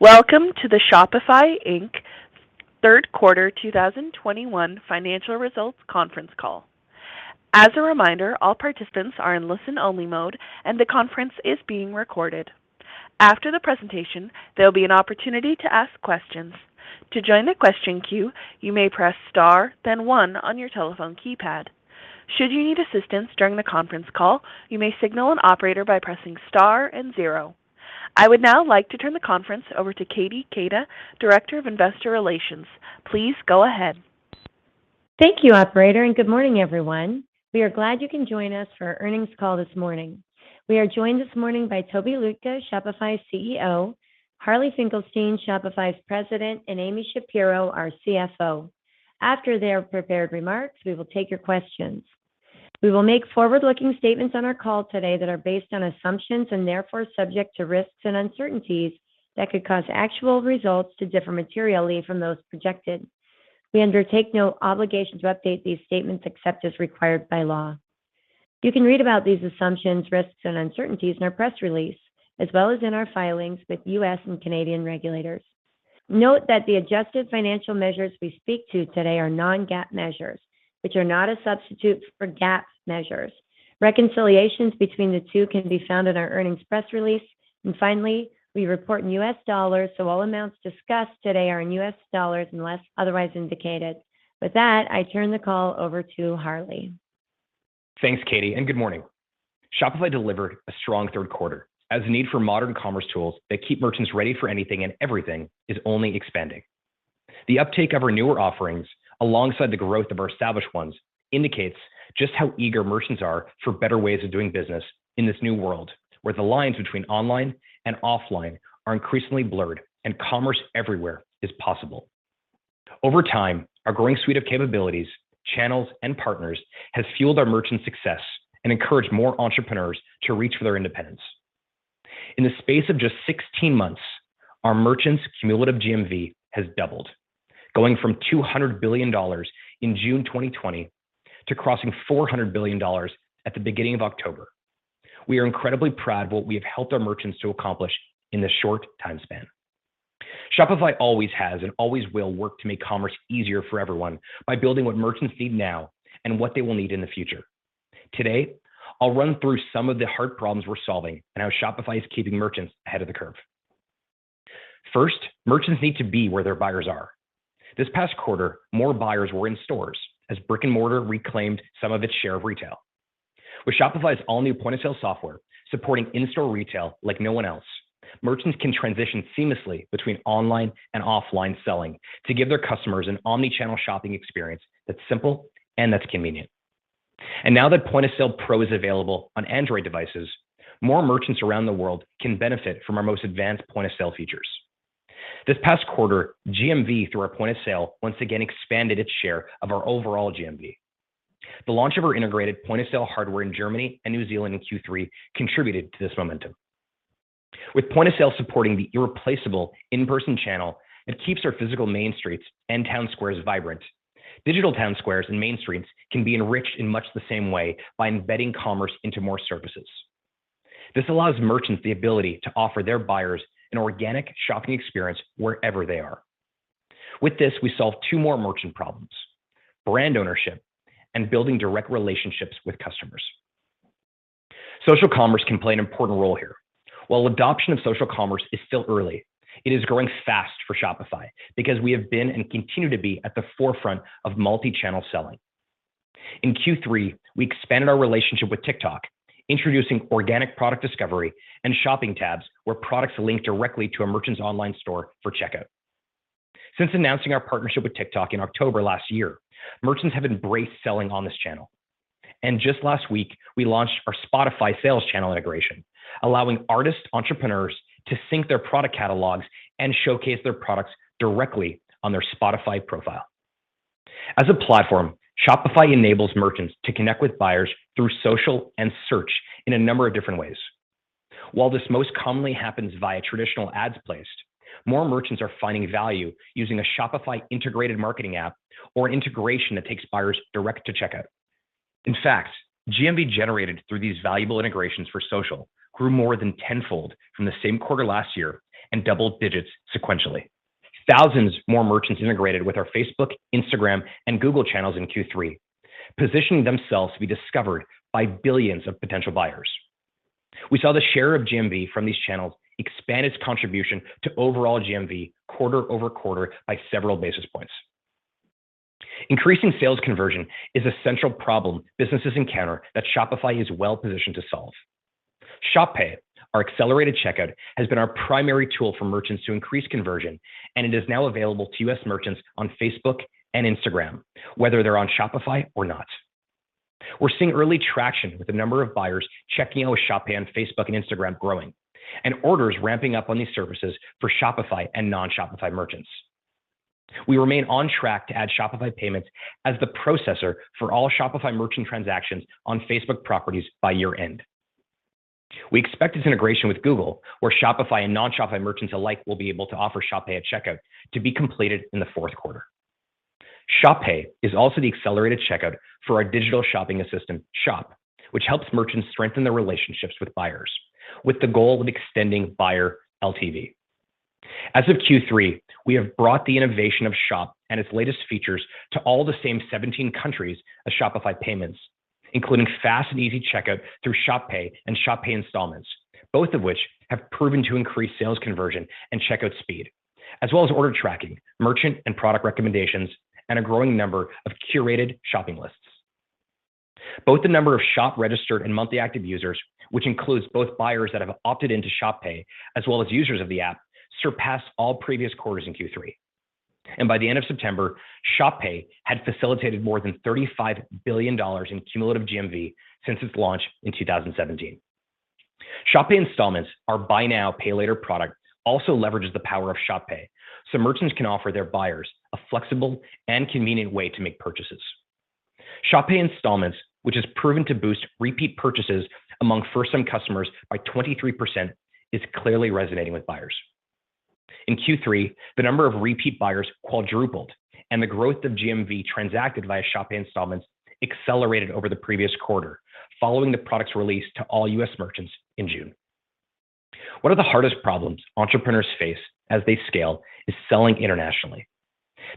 Welcome to the Shopify Inc. third quarter 2021 financial results conference call. As a reminder, all participants are in listen-only mode, and the conference is being recorded. After the presentation, there'll be an opportunity to ask questions. To join the question queue, you may press star, then one on your telephone keypad. Should you need assistance during the conference call, you may signal an operator by pressing star and zero. I would now like to turn the conference over to Katie Keita, Director of Investor Relations. Please go ahead. Thank you, operator, and good morning, everyone. We are glad you can join us for our earnings call this morning. We are joined this morning by Tobi Lütke, Shopify's CEO, Harley Finkelstein, Shopify's President, and Amy Shapero, our CFO. After their prepared remarks, we will take your questions. We will make forward-looking statements on our call today that are based on assumptions and therefore subject to risks and uncertainties that could cause actual results to differ materially from those projected. We undertake no obligation to update these statements except as required by law. You can read about these assumptions, risks, and uncertainties in our press release, as well as in our filings with U.S. and Canadian regulators. Note that the adjusted financial measures we speak to today are non-GAAP measures, which are not a substitute for GAAP measures. Reconciliations between the two can be found in our earnings press release. Finally, we report in US dollars, so all amounts discussed today are in US dollars unless otherwise indicated. With that, I turn the call over to Harley. Thanks, Katie, and good morning. Shopify delivered a strong third quarter as the need for modern commerce tools that keep merchants ready for anything and everything is only expanding. The uptake of our newer offerings, alongside the growth of our established ones, indicates just how eager merchants are for better ways of doing business in this new world, where the lines between online and offline are increasingly blurred and commerce everywhere is possible. Over time, our growing suite of capabilities, channels, and partners has fueled our merchant success and encouraged more entrepreneurs to reach for their independence. In the space of just 16 months, our merchants' cumulative GMV has doubled, going from $200 billion in June 2020 to crossing $400 billion at the beginning of October. We are incredibly proud of what we have helped our merchants to accomplish in this short time span. Shopify always has and always will work to make commerce easier for everyone by building what merchants need now and what they will need in the future. Today, I'll run through some of the hard problems we're solving and how Shopify is keeping merchants ahead of the curve. First, merchants need to be where their buyers are. This past quarter, more buyers were in stores as brick-and-mortar reclaimed some of its share of retail. With Shopify's all-new point-of-sale software supporting in-store retail like no one else, merchants can transition seamlessly between online and offline selling to give their customers an omnichannel shopping experience that's simple and that's convenient. Now that Point of Sale Pro is available on Android devices, more merchants around the world can benefit from our most advanced point-of-sale features. This past quarter, GMV through our point of sale once again expanded its share of our overall GMV. The launch of our integrated point-of-sale hardware in Germany and New Zealand in Q3 contributed to this momentum. With point of sale supporting the irreplaceable in-person channel, it keeps our physical main streets and town squares vibrant. Digital town squares and main streets can be enriched in much the same way by embedding commerce into more services. This allows merchants the ability to offer their buyers an organic shopping experience wherever they are. With this, we solve two more merchant problems, brand ownership and building direct relationships with customers. Social commerce can play an important role here. While adoption of social commerce is still early, it is growing fast for Shopify because we have been and continue to be at the forefront of multi-channel selling. In Q3, we expanded our relationship with TikTok, introducing organic product discovery and shopping tabs where products link directly to a merchant's online store for checkout. Since announcing our partnership with TikTok in October last year, merchants have embraced selling on this channel. Just last week, we launched our Spotify sales channel integration, allowing artist entrepreneurs to sync their product catalogs and showcase their products directly on their Spotify profile. As a platform, Shopify enables merchants to connect with buyers through social and search in a number of different ways. While this most commonly happens via traditional ads placed, more merchants are finding value using a Shopify integrated marketing app or an integration that takes buyers direct to checkout. In fact, GMV generated through these valuable integrations for social grew more than tenfold from the same quarter last year and double digits sequentially. Thousands more merchants integrated with our Facebook, Instagram, and Google channels in Q3, positioning themselves to be discovered by billions of potential buyers. We saw the share of GMV from these channels expand its contribution to overall GMV quarter-over-quarter by several basis points. Increasing sales conversion is a central problem businesses encounter that Shopify is well-positioned to solve. Shop Pay, our accelerated checkout, has been our primary tool for merchants to increase conversion, and it is now available to U.S. merchants on Facebook and Instagram, whether they're on Shopify or not. We're seeing early traction with the number of buyers checking out with Shop Pay on Facebook and Instagram growing and orders ramping up on these services for Shopify and non-Shopify merchants. We remain on track to add Shopify Payments as the processor for all Shopify merchant transactions on Facebook properties by year-end. We expect this integration with Google, where Shopify and non-Shopify merchants alike will be able to offer Shop Pay at checkout to be completed in the fourth quarter. Shop Pay is also the accelerated checkout for our digital shopping assistant, Shop, which helps merchants strengthen their relationships with buyers, with the goal of extending buyer LTV. As of Q3, we have brought the innovation of Shop and its latest features to all the same 17 countries as Shopify Payments, including fast and easy checkout through Shop Pay and Shop Pay Installments, both of which have proven to increase sales conversion and checkout speed, as well as order tracking, merchant and product recommendations, and a growing number of curated shopping lists. Both the number of Shop registered and monthly active users, which includes both buyers that have opted into Shop Pay as well as users of the app, surpassed all previous quarters in Q3. By the end of September, Shop Pay had facilitated more than $35 billion in cumulative GMV since its launch in 2017. Shop Pay Installments, our buy now, pay later product, also leverages the power of Shop Pay so merchants can offer their buyers a flexible and convenient way to make purchases. Shop Pay Installments, which is proven to boost repeat purchases among first-time customers by 23%, is clearly resonating with buyers. In Q3, the number of repeat buyers quadrupled and the growth of GMV transacted via Shop Pay Installments accelerated over the previous quarter following the product's release to all U.S. merchants in June. One of the hardest problems entrepreneurs face as they scale is selling internationally.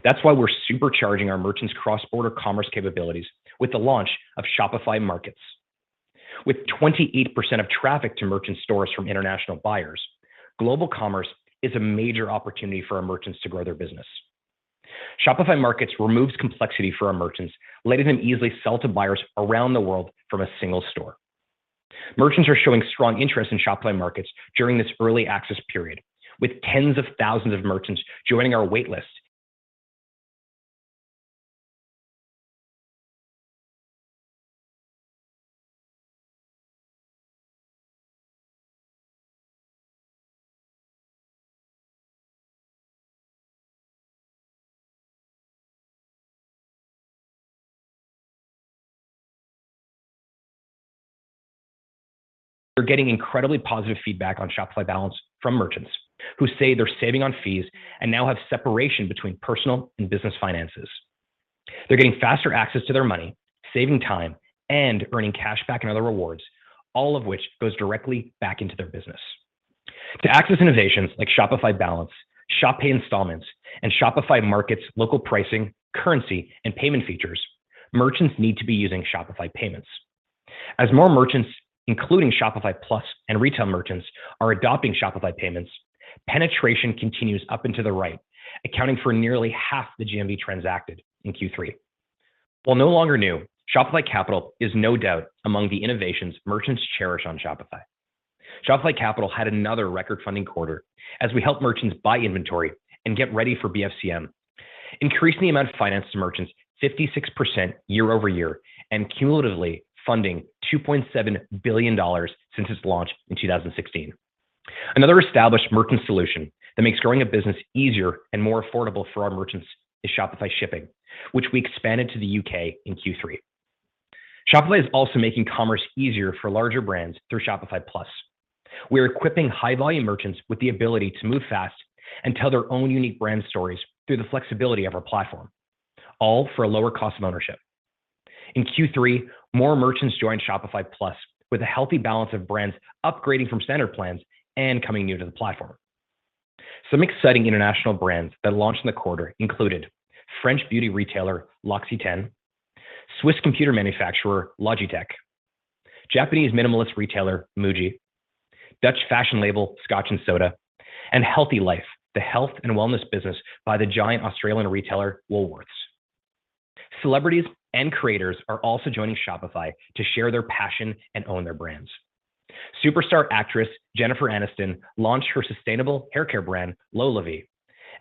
That's why we're supercharging our merchants' cross-border commerce capabilities with the launch of Shopify Markets. With 28% of traffic to merchant stores from international buyers, global commerce is a major opportunity for our merchants to grow their business. Shopify Markets removes complexity for our merchants, letting them easily sell to buyers around the world from a single store. Merchants are showing strong interest in Shopify Markets during this early access period, with tens of thousands of merchants joining our wait list. We're getting incredibly positive feedback on Shopify Balance from merchants who say they're saving on fees and now have separation between personal and business finances. They're getting faster access to their money, saving time, and earning cashback and other rewards, all of which goes directly back into their business. To access innovations like Shopify Balance, Shop Pay Installments, and Shopify Markets local pricing, currency, and payment features, merchants need to be using Shopify Payments. As more merchants, including Shopify Plus and retail merchants, are adopting Shopify Payments, penetration continues up and to the right, accounting for nearly half the GMV transacted in Q3. While no longer new, Shopify Capital is no doubt among the innovations merchants cherish on Shopify. Shopify Capital had another record funding quarter as we helped merchants buy inventory and get ready for BFCM, increasing the amount of finance to merchants 56% year-over-year, and cumulatively funding $2.7 billion since its launch in 2016. Another established merchant solution that makes growing a business easier and more affordable for our merchants is Shopify Shipping, which we expanded to the U.K. in Q3. Shopify is also making commerce easier for larger brands through Shopify Plus. We're equipping high-volume merchants with the ability to move fast and tell their own unique brand stories through the flexibility of our platform, all for a lower cost of ownership. In Q3, more merchants joined Shopify Plus with a healthy balance of brands upgrading from standard plans and coming new to the platform. Some exciting international brands that launched in the quarter included French beauty retailer, L'Occitane, Swiss computer manufacturer, Logitech, Japanese minimalist retailer, Muji, Dutch fashion label, Scotch & Soda, and Healthylife, the health and wellness business by the giant Australian retailer, Woolworths. Celebrities and creators are also joining Shopify to share their passion and own their brands. Superstar actress, Jennifer Aniston, launched her sustainable haircare brand, LolaVie,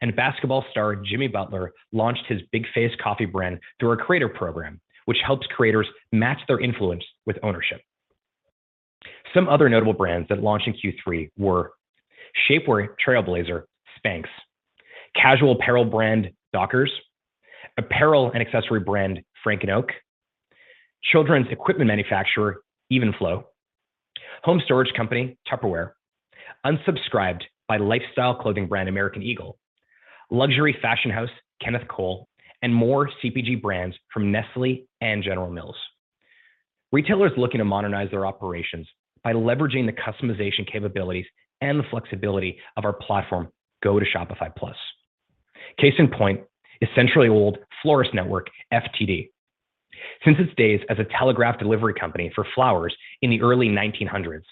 and basketball star, Jimmy Butler, launched his Bigface Coffee brand through our Creator program, which helps creators match their influence with ownership. Some other notable brands that launched in Q3 were shapewear trailblazer, Spanx, casual apparel brand, Dockers, apparel and accessory brand, Frank And Oak, children's equipment manufacturer, Evenflo, home storage company, Tupperware, Unsubscribed by lifestyle clothing brand, American Eagle, luxury fashion house, Kenneth Cole, and more CPG brands from Nestlé and General Mills. Retailers looking to modernize their operations by leveraging the customization capabilities and the flexibility of our platform go to Shopify Plus. Case in point is century-old florist network, FTD. Since its days as a telegraph delivery company for flowers in the early 1900s,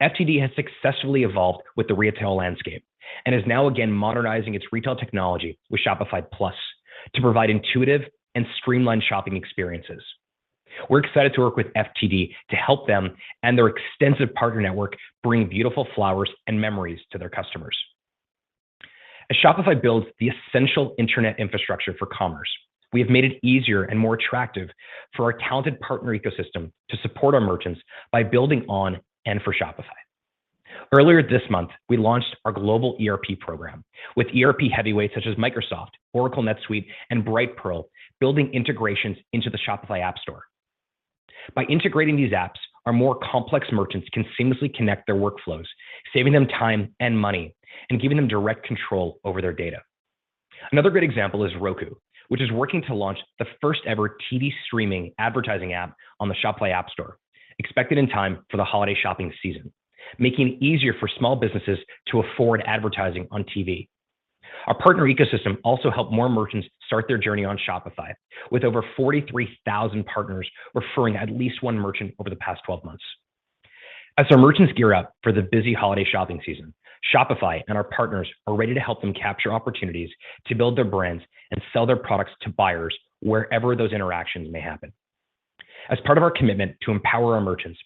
FTD has successfully evolved with the retail landscape and is now again modernizing its retail technology with Shopify Plus to provide intuitive and streamlined shopping experiences. We're excited to work with FTD to help them and their extensive partner network bring beautiful flowers and memories to their customers. As Shopify builds the essential internet infrastructure for commerce, we have made it easier and more attractive for our talented partner ecosystem to support our merchants by building on and for Shopify. Earlier this month, we launched our global ERP program with ERP heavyweights such as Microsoft, Oracle NetSuite, and Brightpearl building integrations into the Shopify App Store. By integrating these apps, our more complex merchants can seamlessly connect their workflows, saving them time and money, and giving them direct control over their data. Another good example is Roku, which is working to launch the first-ever TV streaming advertising app on the Shopify App Store, expected in time for the holiday shopping season, making it easier for small businesses to afford advertising on TV. Our partner ecosystem also helped more merchants start their journey on Shopify, with over 43,000 partners referring at least one merchant over the past 12 months. As our merchants gear up for the busy holiday shopping season, Shopify and our partners are ready to help them capture opportunities to build their brands and sell their products to buyers wherever those interactions may happen. As part of our commitment to empower our merchants,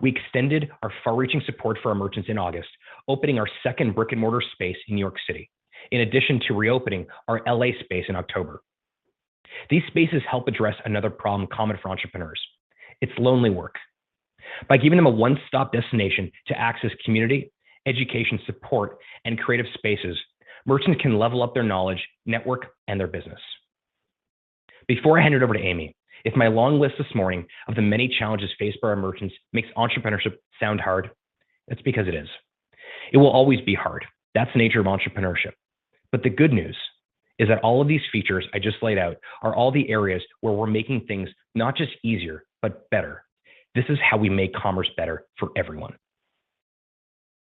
we extended our far-reaching support for our merchants in August, opening our second brick-and-mortar space in New York City, in addition to reopening our L.A. space in October. These spaces help address another problem common for entrepreneurs. It's lonely work. By giving them a one-stop destination to access community, education support, and creative spaces, merchants can level up their knowledge, network, and their business. Before I hand it over to Amy, if my long list this morning of the many challenges faced by our merchants makes entrepreneurship sound hard, that's because it is. It will always be hard. That's the nature of entrepreneurship. The good news is that all of these features I just laid out are all the areas where we're making things not just easier, but better. This is how we make commerce better for everyone.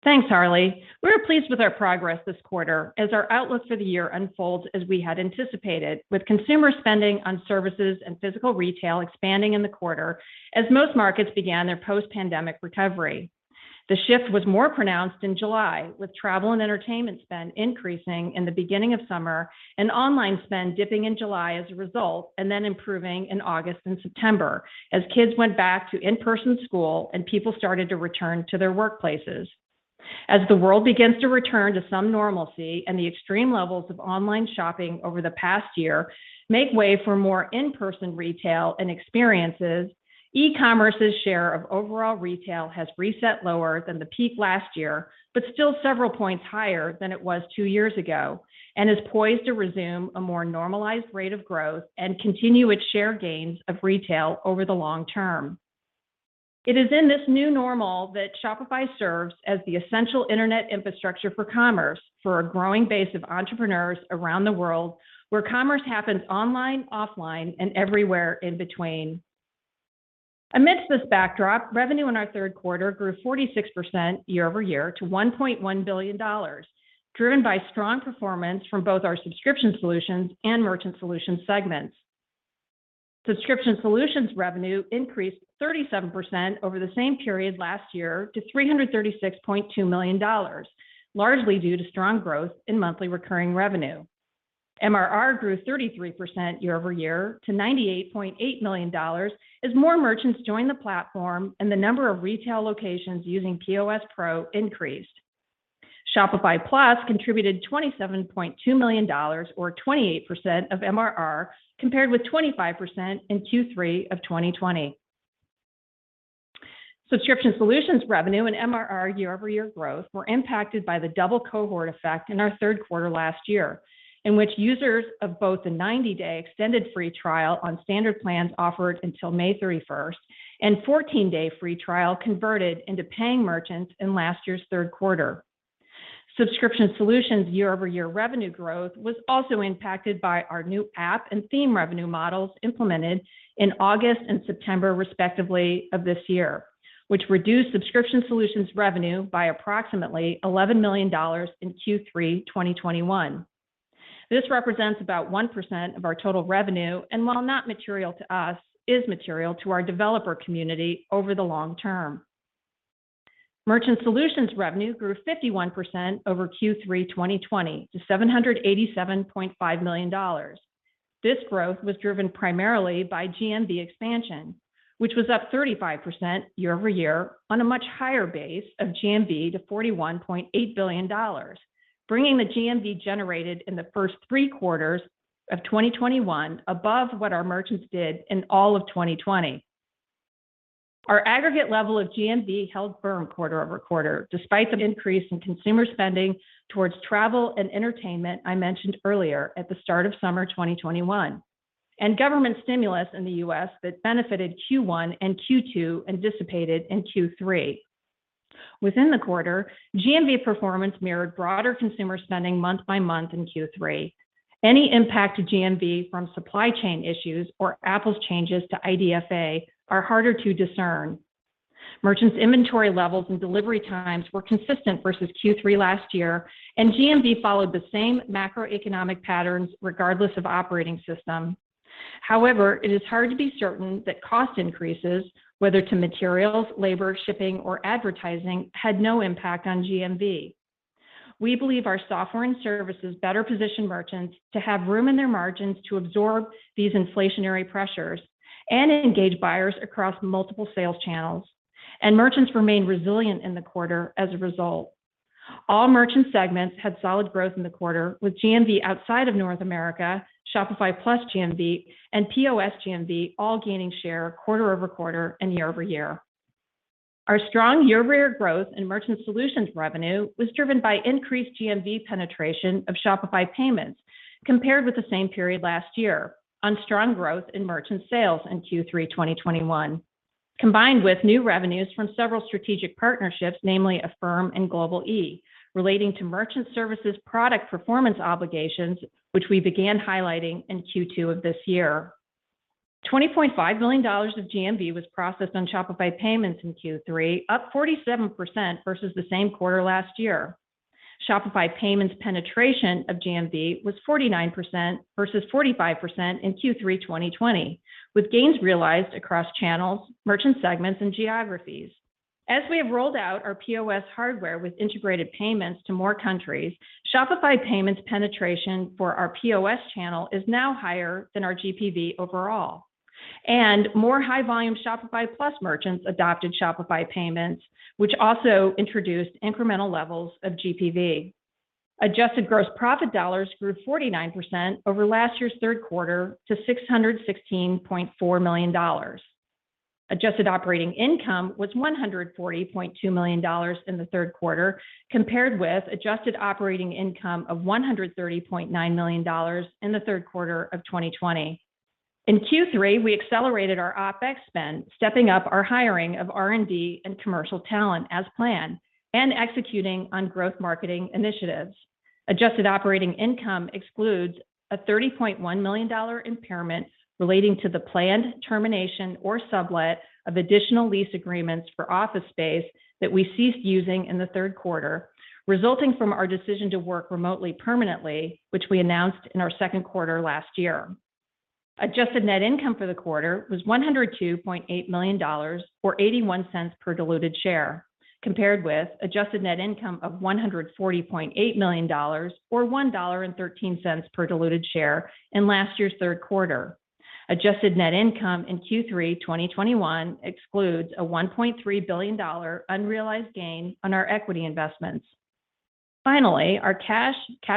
Thanks, Harley. We're pleased with our progress this quarter as our outlook for the year unfolds as we had anticipated, with consumer spending on services and physical retail expanding in the quarter as most markets began their post-pandemic recovery. The shift was more pronounced in July, with travel and entertainment spend increasing in the beginning of summer and online spend dipping in July as a result, and then improving in August and September as kids went back to in-person school and people started to return to their workplaces. As the world begins to return to some normalcy and the extreme levels of online shopping over the past year make way for more in-person retail and experiences, e-commerce's share of overall retail has reset lower than the peak last year, but still several points higher than it was two years ago and is poised to resume a more normalized rate of growth and continue its share gains of retail over the long term. It is in this new normal that Shopify serves as the essential internet infrastructure for commerce for a growing base of entrepreneurs around the world where commerce happens online, offline, and everywhere in between. Amidst this backdrop, revenue in our third quarter grew 46% year-over-year to $1.1 billion, driven by strong performance from both our Subscription Solutions and Merchant Solutions segments. Subscription Solutions revenue increased 37% over the same period last year to $336.2 million, largely due to strong growth in monthly recurring revenue. MRR grew 33% year-over-year to $98.8 million as more merchants joined the platform and the number of retail locations using POS Pro increased. Shopify Plus contributed $27.2 million or 28% of MRR compared with 25% in Q3 of 2020. Subscription Solutions revenue and MRR year-over-year growth were impacted by the double cohort effect in our third quarter last year, in which users of both the 90-day extended free trial on standard plans offered until May 31st and 14-day free trial converted into paying merchants in last year's third quarter. Subscription Solutions year-over-year revenue growth was also impacted by our new app and theme revenue models implemented in August and September respectively of this year, which reduced Subscription Solutions revenue by approximately $11 million in Q3 2021. This represents about 1% of our total revenue, and while not material to us, is material to our developer community over the long term. Merchant Solutions revenue grew 51% over Q3 2020 to $787.5 million. This growth was driven primarily by GMV expansion, which was up 35% year over year on a much higher base of GMV to $41.8 billion, bringing the GMV generated in the first three quarters of 2021 above what our merchants did in all of 2020. Our aggregate level of GMV held firm quarter over quarter despite the increase in consumer spending towards travel and entertainment I mentioned earlier at the start of summer 2021, and government stimulus in the U.S. that benefited Q1 and Q2 and dissipated in Q3. Within the quarter, GMV performance mirrored broader consumer spending month by month in Q3. Any impact to GMV from supply chain issues or Apple's changes to IDFA are harder to discern. Merchants' inventory levels and delivery times were consistent versus Q3 last year, and GMV followed the same macroeconomic patterns regardless of operating system. However, it is hard to be certain that cost increases, whether to materials, labor, shipping, or advertising, had no impact on GMV. We believe our software and services better position merchants to have room in their margins to absorb these inflationary pressures and engage buyers across multiple sales channels, and merchants remained resilient in the quarter as a result. All merchant segments had solid growth in the quarter, with GMV outside of North America, Shopify Plus GMV, and POS GMV all gaining share quarter over quarter and year over year. Our strong year-over-year growth in Merchant Solutions revenue was driven by increased GMV penetration of Shopify Payments compared with the same period last year on strong growth in merchant sales in Q3 2021, combined with new revenues from several strategic partnerships, namely Affirm and Global-e, relating to merchant services product performance obligations, which we began highlighting in Q2 of this year. $20.5 million of GMV was processed on Shopify Payments in Q3, up 47% versus the same quarter last year. Shopify Payments penetration of GMV was 49% versus 45% in Q3 2020, with gains realized across channels, merchant segments, and geographies. As we have rolled out our POS hardware with integrated payments to more countries, Shopify Payments penetration for our POS channel is now higher than our GPV overall. More high-volume Shopify Plus merchants adopted Shopify Payments, which also introduced incremental levels of GPV. Adjusted gross profit dollars grew 49% over last year's third quarter to $616.4 million. Adjusted operating income was $140.2 million in the third quarter, compared with adjusted operating income of $130.9 million in the third quarter of 2020. In Q3, we accelerated our OpEx spend, stepping up our hiring of R&D and commercial talent as planned and executing on growth marketing initiatives. Adjusted operating income excludes a $30.1 million impairment relating to the planned termination or sublet of additional lease agreements for office space that we ceased using in the third quarter, resulting from our decision to work remotely permanently, which we announced in our second quarter last year. Adjusted net income for the quarter was $102.8 million, or $0.81 per diluted share, compared with adjusted net income of $140.8 million, or $1.13 per diluted share in last year's third quarter. Adjusted net income in Q3 2021 excludes a $1.3 billion unrealized gain on our equity investments. Finally, our cash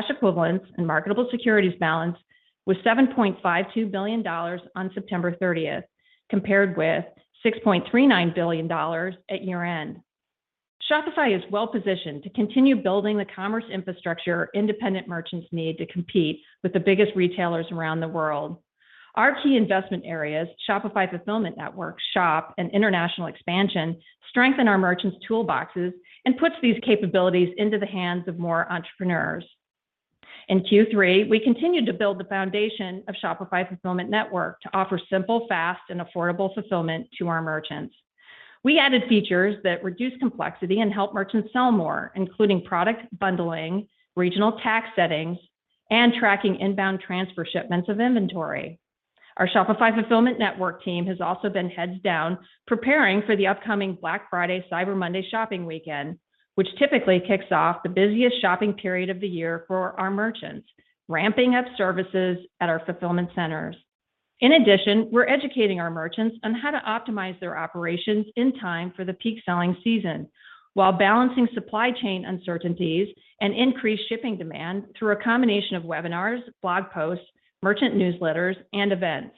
equivalents, and marketable securities balance was $7.52 billion on September 30, compared with $6.39 billion at year-end. Shopify is well-positioned to continue building the commerce infrastructure independent merchants need to compete with the biggest retailers around the world. Our key investment areas, Shopify Fulfillment Network, Shop, and international expansion, strengthen our merchants' toolboxes and puts these capabilities into the hands of more entrepreneurs. In Q3, we continued to build the foundation of Shopify Fulfillment Network to offer simple, fast, and affordable fulfillment to our merchants. We added features that reduce complexity and help merchants sell more, including product bundling, regional tax settings, and tracking inbound transfer shipments of inventory. Our Shopify Fulfillment Network team has also been heads down preparing for the upcoming Black Friday, Cyber Monday shopping weekend, which typically kicks off the busiest shopping period of the year for our merchants, ramping up services at our fulfillment centers. In addition, we're educating our merchants on how to optimize their operations in time for the peak selling season while balancing supply chain uncertainties and increased shipping demand through a combination of webinars, blog posts, merchant newsletters, and events.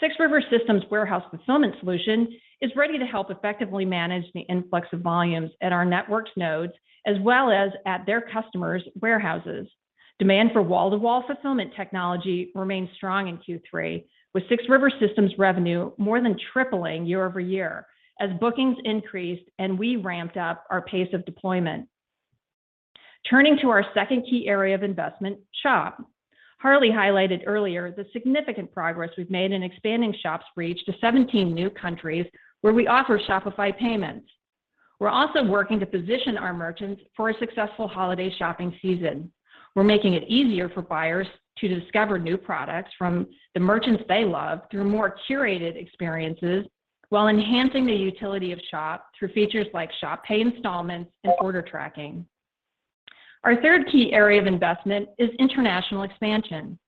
Six River Systems' warehouse fulfillment solution is ready to help effectively manage the influx of volumes at our network's nodes as well as at their customers' warehouses. Demand for wall-to-wall fulfillment technology remains strong in Q3, with Six River Systems' revenue more than tripling year-over-year as bookings increased and we ramped up our pace of deployment. Turning to our second key area of investment, Shop. Harley highlighted earlier the significant progress we've made in expanding Shop's reach to 17 new countries where we offer Shopify Payments. We're also working to position our merchants for a successful holiday shopping season. We're making it easier for buyers to discover new products from the merchants they love through more curated experiences while enhancing the utility of Shop through features like Shop Pay Installments and order tracking. Our third key area of investment is international expansion.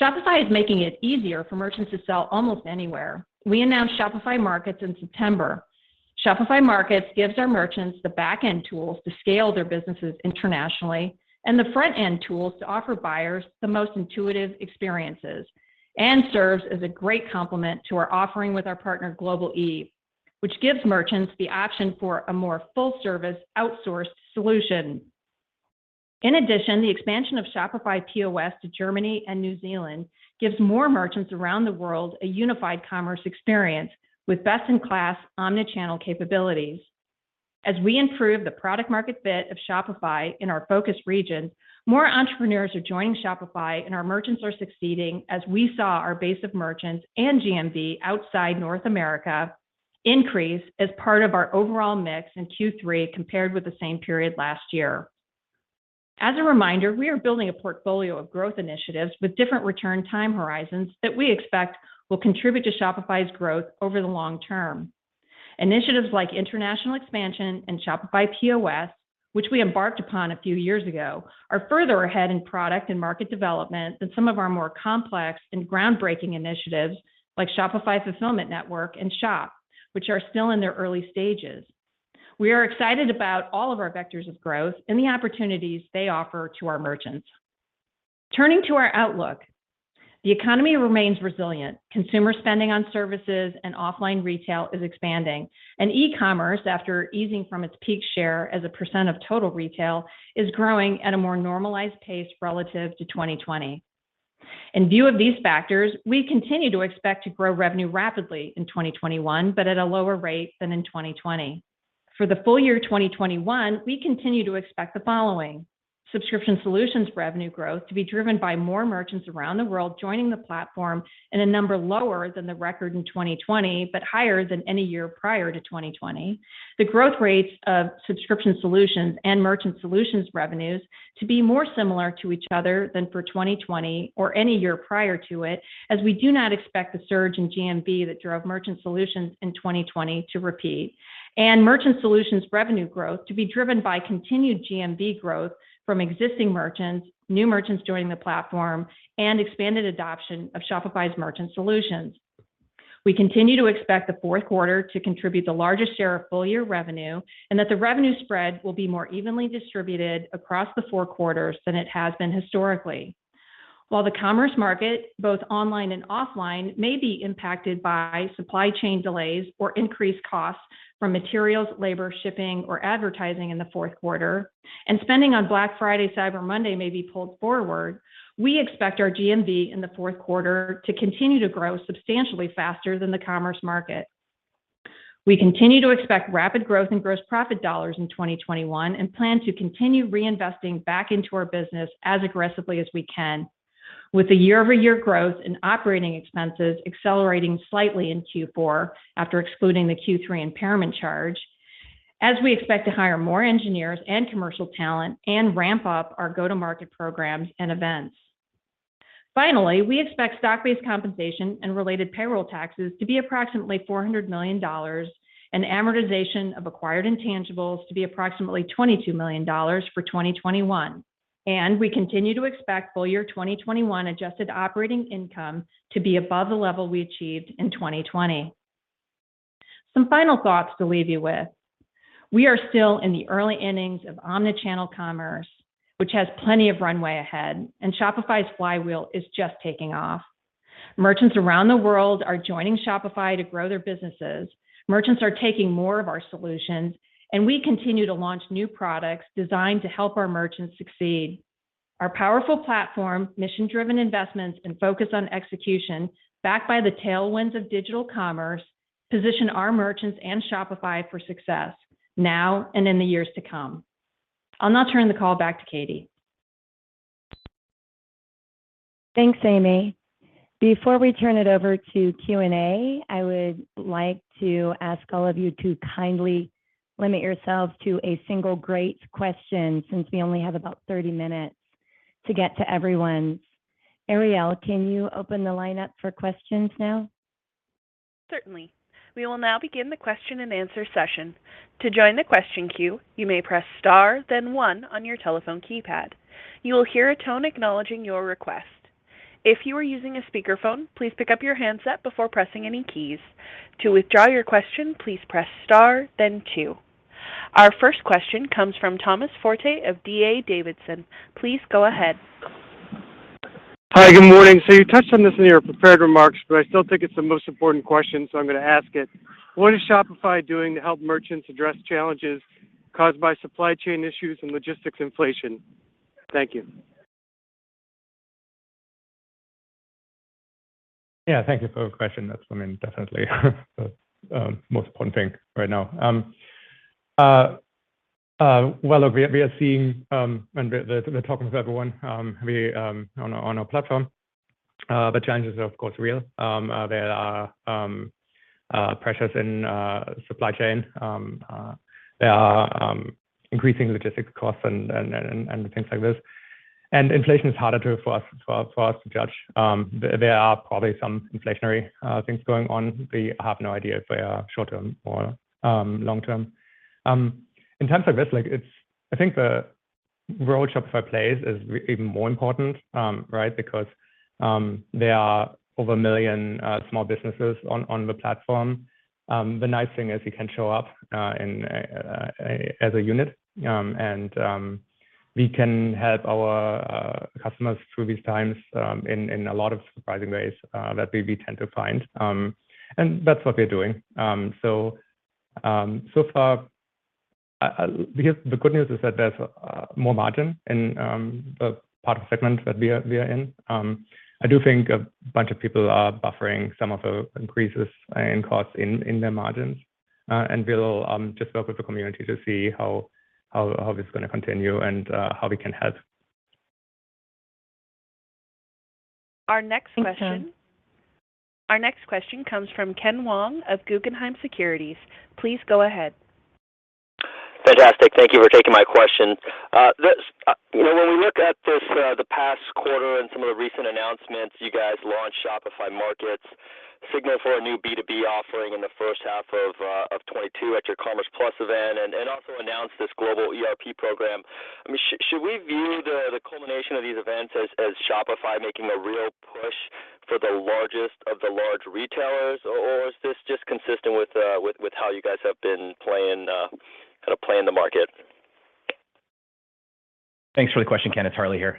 Shopify is making it easier for merchants to sell almost anywhere. We announced Shopify Markets in September. Shopify Markets gives our merchants the back-end tools to scale their businesses internationally and the front-end tools to offer buyers the most intuitive experiences and serves as a great complement to our offering with our partner, Global-e, which gives merchants the option for a more full-service, outsourced solution. In addition, the expansion of Shopify POS to Germany and New Zealand gives more merchants around the world a unified commerce experience with best-in-class omni-channel capabilities. As we improve the product market fit of Shopify in our focus region, more entrepreneurs are joining Shopify and our merchants are succeeding as we saw our base of merchants and GMV outside North America increase as part of our overall mix in Q3 compared with the same period last year. As a reminder, we are building a portfolio of growth initiatives with different return time horizons that we expect will contribute to Shopify's growth over the long term. Initiatives like international expansion and Shopify POS, which we embarked upon a few years ago, are further ahead in product and market development than some of our more complex and groundbreaking initiatives like Shopify Fulfillment Network and Shop, which are still in their early stages. We are excited about all of our vectors of growth and the opportunities they offer to our merchants. Turning to our outlook, the economy remains resilient. Consumer spending on services and offline retail is expanding. E-commerce, after easing from its peak share as a % of total retail, is growing at a more normalized pace relative to 2020. In view of these factors, we continue to expect to grow revenue rapidly in 2021, but at a lower rate than in 2020. For the full year 2021, we continue to expect the following. Subscription Solutions revenue growth to be driven by more merchants around the world joining the platform at a number lower than the record in 2020, but higher than any year prior to 2020. the growth rates of Subscription Solutions and Merchant Solutions revenues to be more similar to each other than for 2020 or any year prior to it, as we do not expect the surge in GMV that drove Merchant Solutions in 2020 to repeat. Merchant Solutions revenue growth to be driven by continued GMV growth from existing merchants, new merchants joining the platform, and expanded adoption of Shopify's Merchant Solutions. We continue to expect the fourth quarter to contribute the largest share of full-year revenue, and that the revenue spread will be more evenly distributed across the four quarters than it has been historically. While the commerce market, both online and offline, may be impacted by supply chain delays or increased costs from materials, labor, shipping, or advertising in the fourth quarter, and spending on Black Friday, Cyber Monday may be pulled forward, we expect our GMV in the fourth quarter to continue to grow substantially faster than the commerce market. We continue to expect rapid growth in gross profit dollars in 2021 and plan to continue reinvesting back into our business as aggressively as we can. With a year-over-year growth in operating expenses accelerating slightly in Q4 after excluding the Q3 impairment charge, as we expect to hire more engineers and commercial talent and ramp up our go-to-market programs and events. Finally, we expect stock-based compensation and related payroll taxes to be approximately $400 million, and amortization of acquired intangibles to be approximately $22 million for 2021. We continue to expect full year 2021 adjusted operating income to be above the level we achieved in 2020. Some final thoughts to leave you with. We are still in the early innings of omnichannel commerce, which has plenty of runway ahead, and Shopify's flywheel is just taking off. Merchants around the world are joining Shopify to grow their businesses. Merchants are taking more of our solutions, and we continue to launch new products designed to help our merchants succeed. Our powerful platform, mission-driven investments, and focus on execution backed by the tailwinds of digital commerce, position our merchants and Shopify for success now and in the years to come. I'll now turn the call back to Katie Keita. Thanks, Amy. Before we turn it over to Q&A, I would like to ask all of you to kindly limit yourselves to a single great question, since we only have about 30 minutes to get to everyone. Ariel, can you open the line up for questions now? Certainly. We will now begin the question and answer session. To join the question queue, you may press star, then one on your telephone keypad. You will hear a tone acknowledging your request. If you are using a speakerphone, please pick up your handset before pressing any keys. To withdraw your question, please press star, then two. Our first question comes from Tom Forte of D.A. Davidson. Please go ahead. Hi. Good morning. You touched on this in your prepared remarks, but I still think it's the most important question, so I'm gonna ask it. What is Shopify doing to help merchants address challenges caused by supply chain issues and logistics inflation? Thank you. Thank you for the question. That's, I mean, definitely the most important thing right now. Well, we are seeing and talking to everyone on our platform, the challenges are, of course, real. There are pressures in supply chain. There are increasing logistics costs and things like this. Inflation is harder for us to judge. There are probably some inflationary things going on. We have no idea if they are short-term or long-term. In terms of this, like it's, I think the role Shopify plays is even more important, right? Because there are over 1 million small businesses on the platform. The nice thing is you can show up in as a unit. We can help our customers through these times in a lot of surprising ways that we tend to find. That's what we're doing. So far, because the good news is that there's more margin in the product segment that we are in. I do think a bunch of people are buffering some of the increases in costs in their margins. We'll just work with the community to see how this is gonna continue and how we can help. Our next question. Thanks, Tom. Our next question comes from Ken Wong of Guggenheim Securities. Please go ahead. Fantastic. Thank you for taking my question. You know, when we look at the past quarter and some of the recent announcements, you guys launched Shopify Markets, signaled for a new B2B offering in the first half of 2022 at your Commerce+ event, and also announced this global ERP program. I mean, should we view the culmination of these events as Shopify making a real push for the largest of the large retailers, or is this just consistent with how you guys have been playing, kinda playing the market? Thanks for the question, Ken. It's Harley here.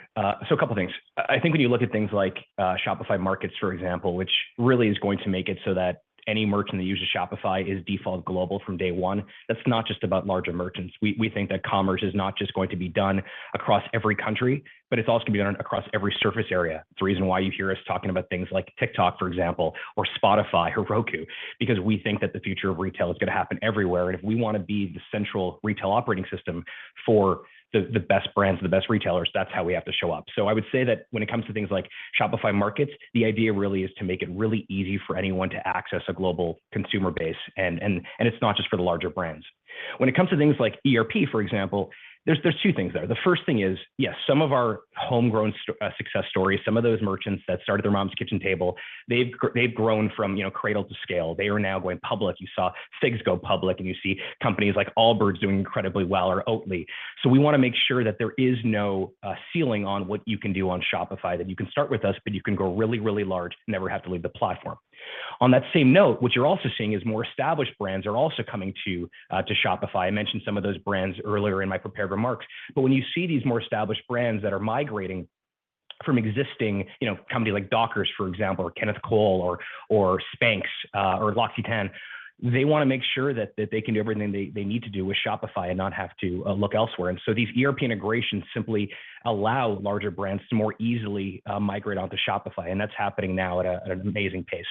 So a couple things. I think when you look at things like Shopify Markets, for example, which really is going to make it so that any merchant that uses Shopify is default global from day one, that's not just about larger merchants. We think that commerce is not just going to be done across every country, but it's also gonna be done across every surface area. It's the reason why you hear us talking about things like TikTok, for example, or Spotify, Roku, because we think that the future of retail is gonna happen everywhere. If we wanna be the central retail operating system for the best brands and the best retailers, that's how we have to show up. I would say that when it comes to things like Shopify Markets, the idea really is to make it really easy for anyone to access a global consumer base and it's not just for the larger brands. When it comes to things like ERP, for example, there's two things there. The first thing is, yes, some of our homegrown success stories, some of those merchants that started at their mom's kitchen table, they've grown from, you know, cradle to scale. They are now going public. You saw FIGS go public, and you see companies like Allbirds doing incredibly well or Oatly. We wanna make sure that there is no ceiling on what you can do on Shopify, that you can start with us, but you can grow really, really large and never have to leave the platform. On that same note, what you're also seeing is more established brands are also coming to Shopify. I mentioned some of those brands earlier in my prepared remarks. When you see these more established brands that are migrating from existing, you know, a company like Dockers, for example, or Kenneth Cole or Spanx or L'Occitane, they wanna make sure that they can do everything they need to do with Shopify and not have to look elsewhere. These ERP integrations simply allow larger brands to more easily migrate onto Shopify, and that's happening now at an amazing pace.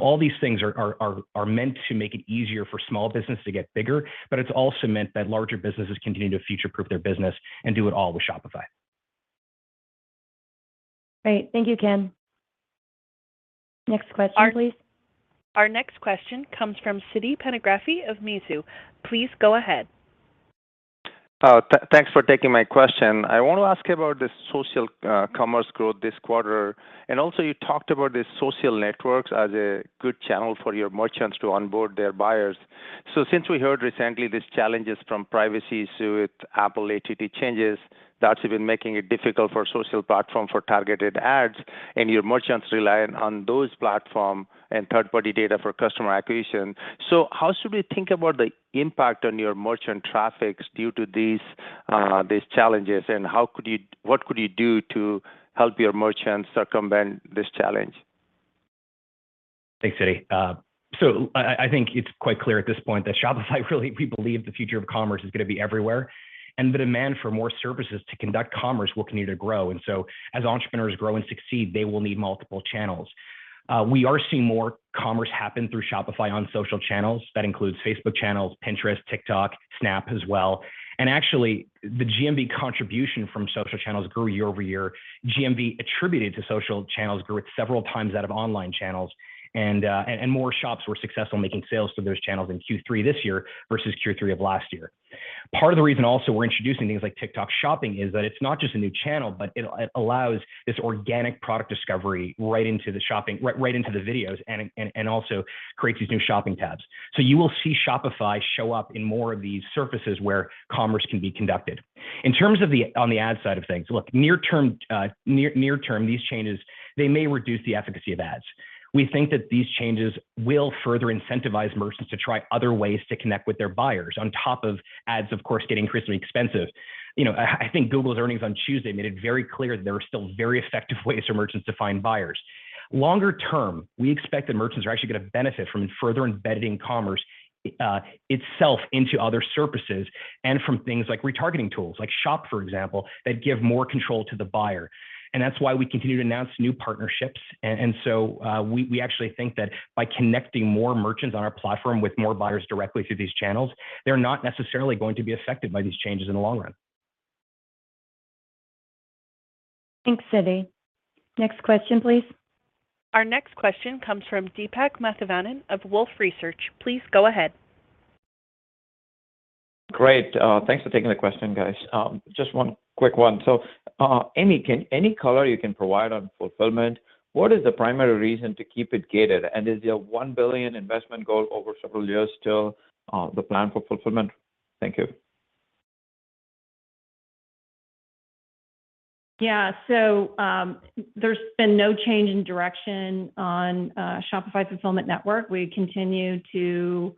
All these things are meant to make it easier for small business to get bigger, but it's also meant that larger businesses continue to future-proof their business and do it all with Shopify. Great. Thank you, Ken. Next question, please. Our next question comes from Siti Panigrahi of Mizuho. Please go ahead. Thanks for taking my question. I want to ask about the social commerce growth this quarter, and also you talked about the social networks as a good channel for your merchants to onboard their buyers. Since we heard recently these challenges from privacy so, Apple ATT changes, that's been making it difficult for social platform for targeted ads, and your merchants rely on those platform and third-party data for customer acquisition. How should we think about the impact on your merchant traffics due to these challenges, and what could you do to help your merchants circumvent this challenge? Thanks, Siti. I think it's quite clear at this point that Shopify really we believe the future of commerce is gonna be everywhere, and the demand for more services to conduct commerce will continue to grow. As entrepreneurs grow and succeed, they will need multiple channels. We are seeing more commerce happen through Shopify on social channels. That includes Facebook channels, Pinterest, TikTok, Snap as well. Actually, the GMV contribution from social channels grew year over year. GMV attributed to social channels grew at several times out of online channels. More shops were successful making sales through those channels in Q3 this year versus Q3 of last year. Part of the reason also we're introducing things like TikTok Shopping is that it's not just a new channel, but it allows this organic product discovery right into the shopping, right into the videos and also creates these new shopping tabs. You will see Shopify show up in more of these surfaces where commerce can be conducted. In terms of on the ad side of things, look, near term, these changes, they may reduce the efficacy of ads. We think that these changes will further incentivize merchants to try other ways to connect with their buyers, on top of ads, of course, getting increasingly expensive. You know, I think Google's earnings on Tuesday made it very clear that there are still very effective ways for merchants to find buyers. Longer term, we expect that merchants are actually gonna benefit from further embedding commerce itself into other surfaces and from things like retargeting tools, like Shop, for example, that give more control to the buyer. That's why we continue to announce new partnerships. We actually think that by connecting more merchants on our platform with more buyers directly through these channels, they're not necessarily going to be affected by these changes in the long run. Thanks, Siti. Next question, please. Our next question comes from Deepak Mathivanan of Wolfe Research. Please go ahead. Great. Thanks for taking the question, guys. Just one quick one. Any color you can provide on fulfillment, what is the primary reason to keep it gated? Is your $1 billion investment goal over several years still the plan for fulfillment? Thank you. Yeah. There's been no change in direction on Shopify Fulfillment Network. We continue to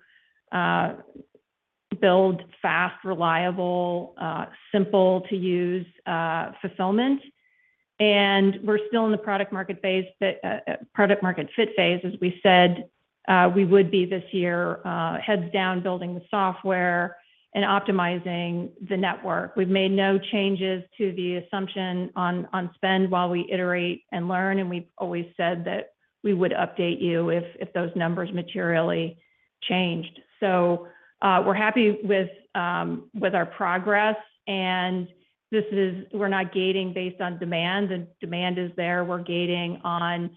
build fast, reliable, simple to use fulfillment. We're still in the product market fit phase, as we said we would be this year, heads down building the software and optimizing the network. We've made no changes to the assumption on spend while we iterate and learn, and we've always said that we would update you if those numbers materially changed. We're happy with our progress, and we're not gating based on demand. The demand is there. We're gating on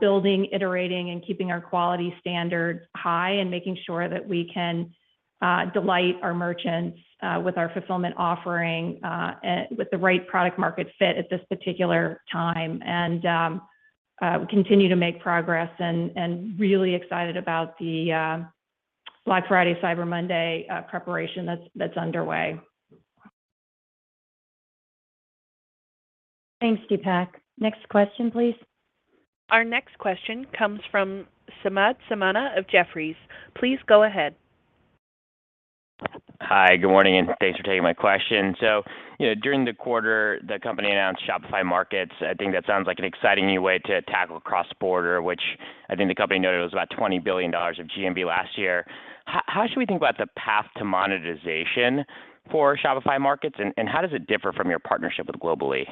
building, iterating, and keeping our quality standards high and making sure that we can delight our merchants with our fulfillment offering with the right product market fit at this particular time. We continue to make progress and we're really excited about the Black Friday Cyber Monday preparation that's underway. Thanks, Deepak. Next question, please. Our next question comes from Samad Samana of Jefferies. Please go ahead. Hi, good morning, and thanks for taking my question. You know, during the quarter, the company announced Shopify Markets. I think that sounds like an exciting new way to tackle cross-border, which I think the company noted it was about $20 billion of GMV last year. How should we think about the path to monetization for Shopify Markets, and how does it differ from your partnership with Global-e?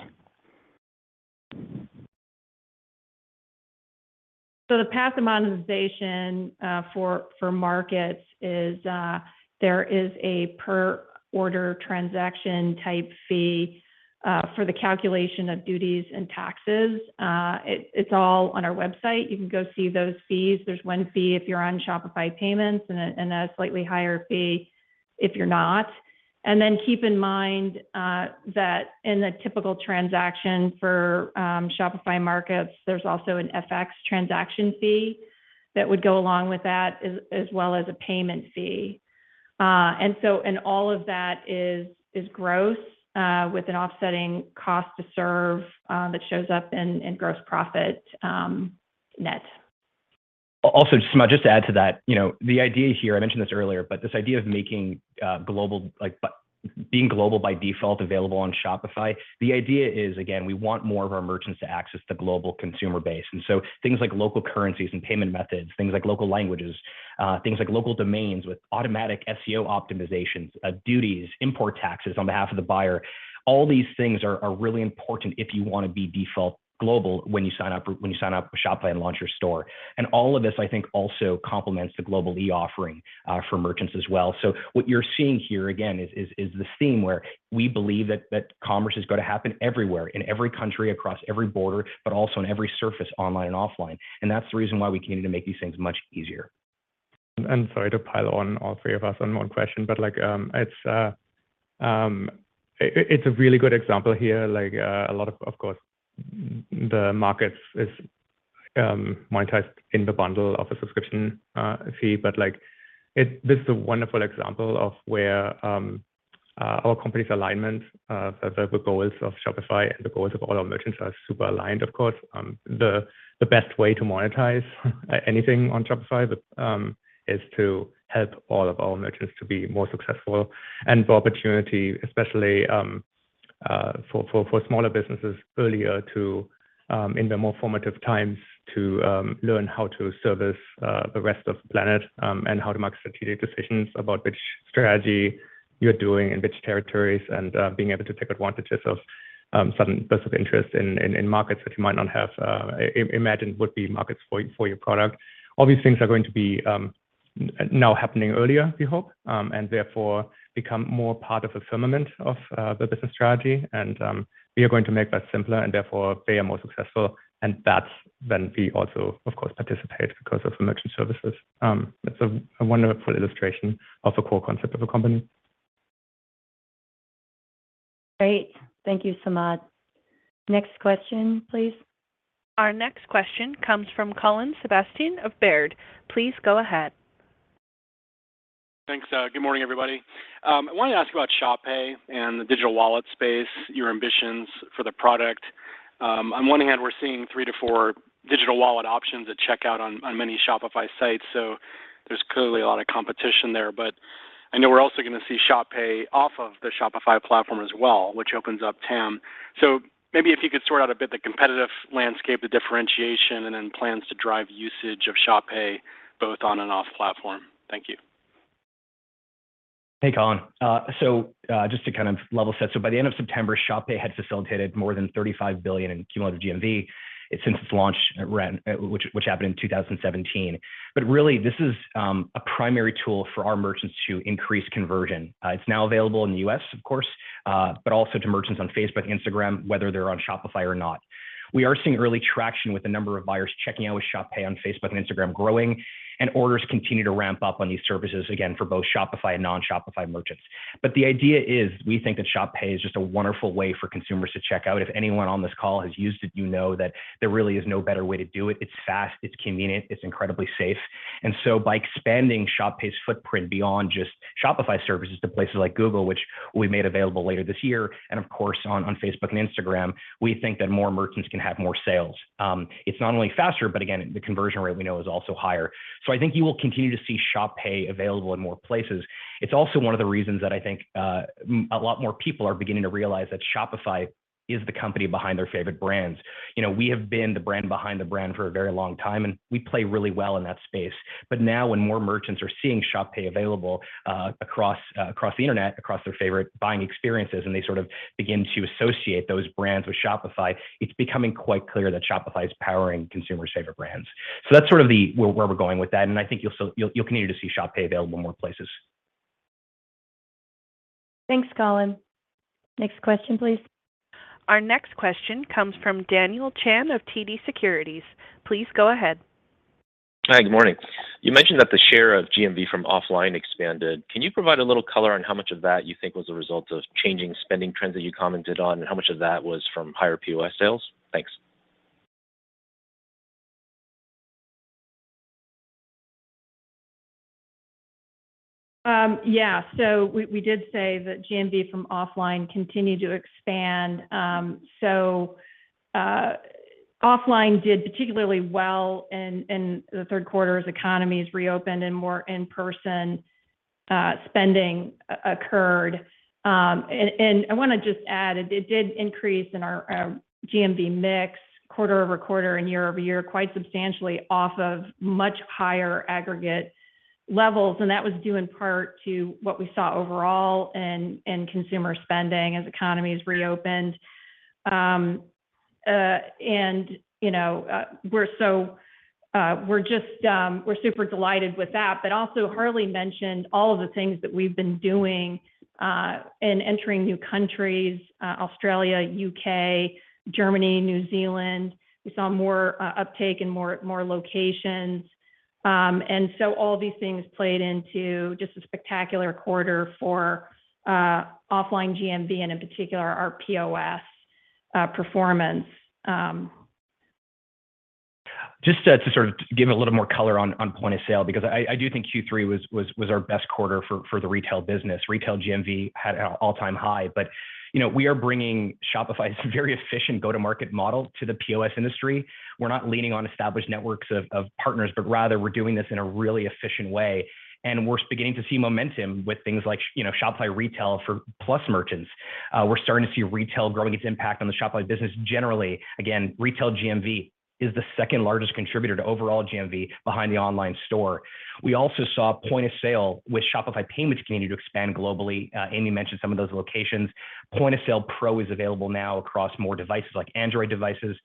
The path to monetization for Markets is a per order transaction type fee for the calculation of duties and taxes. It's all on our website. You can go see those fees. There's one fee if you're on Shopify Payments and a slightly higher fee if you're not. Keep in mind that in the typical transaction for Shopify Markets, there's also an FX transaction fee that would go along with that as well as a payment fee. All of that is gross with an offsetting cost to serve that shows up in gross profit net. Also, Samad, just to add to that, you know, the idea here, I mentioned this earlier, but this idea of making global like being global by default available on Shopify, the idea is, again, we want more of our merchants to access the global consumer base. Things like local currencies and payment methods, things like local languages, things like local domains with automatic SEO optimizations, duties, import taxes on behalf of the buyer, all these things are really important if you wanna be default global when you sign up for Shopify and launch your store. All of this, I think, also complements the Global-e offering for merchants as well. What you're seeing here again is this theme where we believe that commerce is gonna happen everywhere, in every country, across every border, but also on every surface online and offline. That's the reason why we continue to make these things much easier. Sorry to pile on all three of us on one question, but like it's a really good example here, like a lot, of course, the markets is monetized in the bundle of a subscription fee. Like this is a wonderful example of where our company's alignment, the goals of Shopify and the goals of all our merchants are super aligned, of course. The best way to monetize anything on Shopify is to help all of our merchants to be more successful and for opportunity, especially for smaller businesses earlier in their more formative times to learn how to service the rest of the planet and how to make strategic decisions about which strategy you're doing in which territories, and being able to take advantages of certain bursts of interest in markets that you might not have imagined would be markets for your product. All these things are going to be now happening earlier, we hope, and therefore become more part of a firmament of the business strategy. We are going to make that simpler and therefore they are more successful. That's when we also of course participate because of merchant services. That's a wonderful illustration of a core concept of a company. Great. Thank you, Samad. Next question please. Our next question comes from Colin Sebastian of Baird. Please go ahead. Thanks. Good morning, everybody. I wanted to ask about Shop Pay and the digital wallet space, your ambitions for the product. On one hand, we're seeing three to four digital wallet options at checkout on many Shopify sites, so there's clearly a lot of competition there. I know we're also gonna see Shop Pay off of the Shopify platform as well, which opens up TAM. Maybe if you could sort out a bit the competitive landscape, the differentiation, and then plans to drive usage of Shop Pay both on and off platform. Thank you. Hey, Colin. Just to kind of level set. By the end of September, Shop Pay had facilitated more than $35 billion in cumulative GMV since its launch around, which happened in 2017. Really, this is a primary tool for our merchants to increase conversion. It's now available in the U.S., of course, but also to merchants on Facebook and Instagram, whether they're on Shopify or not. We are seeing early traction with the number of buyers checking out with Shop Pay on Facebook and Instagram growing, and orders continue to ramp up on these services again for both Shopify and non-Shopify merchants. The idea is, we think that Shop Pay is just a wonderful way for consumers to check out. If anyone on this call has used it, you know that there really is no better way to do it. It's fast, it's convenient, it's incredibly safe. By expanding Shop Pay's footprint beyond just Shopify services to places like Google, which we made available later this year, and of course, on Facebook and Instagram, we think that more merchants can have more sales. It's not only faster, but again, the conversion rate we know is also higher. So I think you will continue to see Shop Pay available in more places. It's also one of the reasons that I think a lot more people are beginning to realize that Shopify is the company behind their favorite brands. You know, we have been the brand behind the brand for a very long time, and we play really well in that space. Now when more merchants are seeing Shop Pay available across the internet, across their favorite buying experiences, and they sort of begin to associate those brands with Shopify, it's becoming quite clear that Shopify is powering consumers' favorite brands. That's sort of the where we're going with that, and I think you'll continue to see Shop Pay available in more places. Thanks, Colin. Next question, please. Our next question comes from Daniel Chan of TD Securities. Please go ahead. Hi, good morning. You mentioned that the share of GMV from offline expanded. Can you provide a little color on how much of that you think was a result of changing spending trends that you commented on, and how much of that was from higher POS sales? Thanks. We did say that GMV from offline continued to expand. Offline did particularly well in the third quarter as economies reopened and more in-person spending occurred. I wanna just add, it did increase in our GMV mix quarter-over-quarter and year-over-year quite substantially off of much higher aggregate levels, and that was due in part to what we saw overall in consumer spending as economies reopened. You know, we're just super delighted with that. Also, Harley mentioned all of the things that we've been doing in entering new countries, Australia, U.K., Germany, New Zealand. We saw more uptake in more locations. All these things played into just a spectacular quarter for offline GMV, and in particular, our POS performance. Just to sort of give a little more color on point of sale, because I do think Q3 was our best quarter for the retail business. Retail GMV had an all-time high. You know, we are bringing Shopify's very efficient go-to-market model to the POS industry. We're not leaning on established networks of partners, but rather we're doing this in a really efficient way. We're beginning to see momentum with things like you know, Shopify Retail for Plus merchants. We're starting to see retail growing its impact on the Shopify business generally. Again, retail GMV is the second largest contributor to overall GMV behind the online store. We also saw point of sale with Shopify Payments continue to expand globally. Amy mentioned some of those locations. Point of Sale Pro is available now across more devices like Android devices.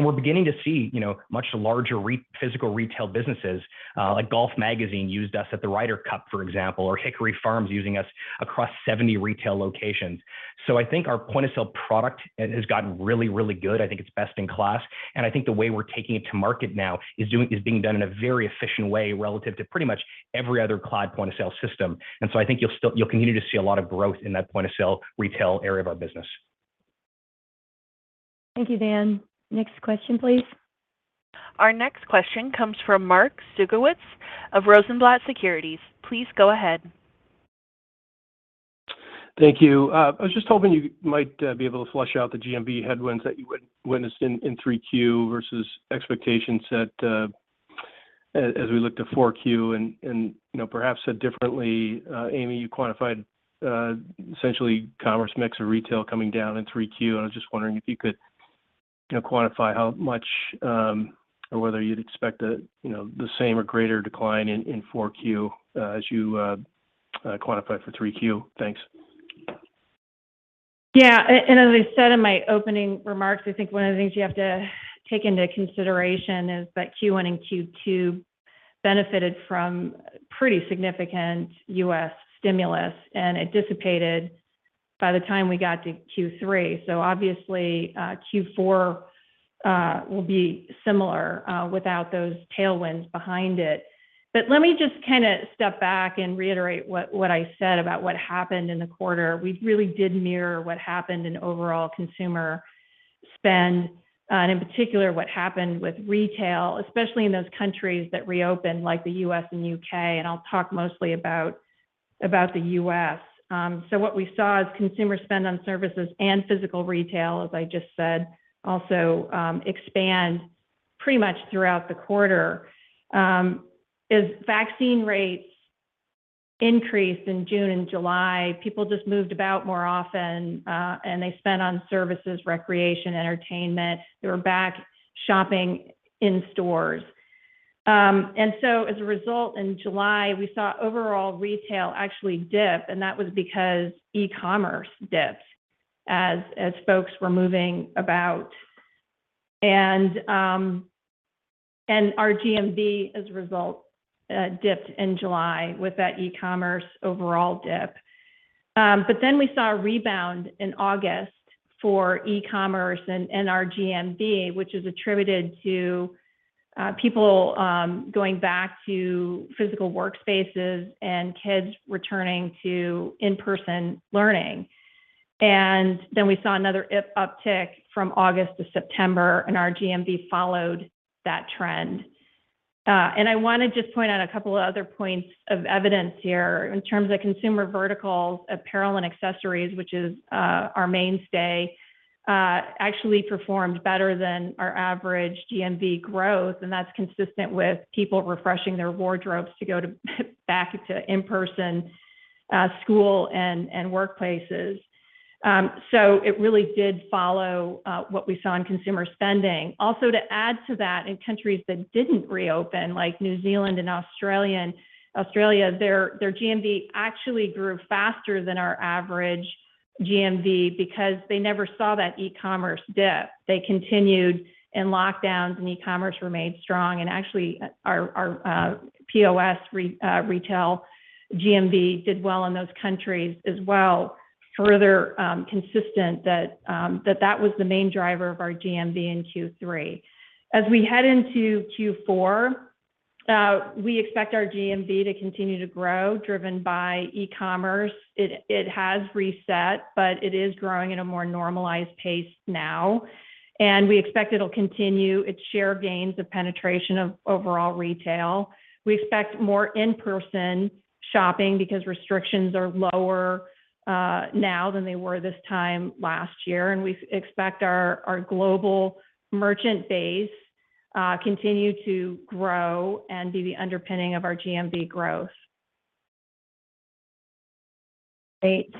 We're beginning to see, you know, much larger physical retail businesses, like Golf Magazine used us at the Ryder Cup, for example, or Hickory Farms using us across 70 retail locations. I think our point of sale product has gotten really, really good. I think it's best in class. I think the way we're taking it to market now is being done in a very efficient way relative to pretty much every other cloud point of sale system. I think you'll continue to see a lot of growth in that point of sale retail area of our business. Thank you, Dan. Next question, please. Our next question comes from Mark Zgutowicz of Rosenblatt Securities. Please go ahead. Thank you. I was just hoping you might be able to flesh out the GMV headwinds that you witnessed in 3Q versus expectations as we look to 4Q. You know, perhaps said differently, Amy, you quantified essentially commerce mix of retail coming down in 3Q. I was just wondering if you could you know, quantify how much or whether you'd expect a you know, the same or greater decline in 4Q as you quantified for 3Q. Thanks. Yeah. As I said in my opening remarks, I think one of the things you have to take into consideration is that Q1 and Q2 benefited from pretty significant U.S. stimulus, and it dissipated by the time we got to Q3. Obviously, Q4 will be similar without those tailwinds behind it. Let me just kinda step back and reiterate what I said about what happened in the quarter. We really did mirror what happened in overall consumer spend, and in particular what happened with retail, especially in those countries that reopened, like the U.S. and U.K., and I'll talk mostly about the U.S. What we saw is consumer spend on services and physical retail, as I just said, also expand pretty much throughout the quarter. As vaccine rates increased in June and July, people just moved about more often, and they spent on services, recreation, entertainment. They were back shopping in stores. As a result, in July, we saw overall retail actually dip, and that was because e-commerce dipped as folks were moving about. Our GMV as a result dipped in July with that e-commerce overall dip. We saw a rebound in August for e-commerce and our GMV, which is attributed to people going back to physical workspaces and kids returning to in-person learning. We saw another uptick from August to September, and our GMV followed that trend. I wanna just point out a couple of other points of evidence here. In terms of consumer verticals, apparel and accessories, which is our mainstay, actually performed better than our average GMV growth. That's consistent with people refreshing their wardrobes to go back to in-person school and workplaces. It really did follow what we saw in consumer spending. Also, to add to that, in countries that didn't reopen, like New Zealand and Australia, their GMV actually grew faster than our average GMV because they never saw that e-commerce dip. They continued in lockdowns, and e-commerce remained strong. Actually, our POS retail GMV did well in those countries as well, further consistent that that was the main driver of our GMV in Q3. As we head into Q4, we expect our GMV to continue to grow, driven by e-commerce. It has reset, but it is growing at a more normalized pace now, and we expect it'll continue its share gains of penetration of overall retail. We expect more in-person shopping because restrictions are lower now than they were this time last year, and we expect our global merchant base continue to grow and be the underpinning of our GMV growth. Great.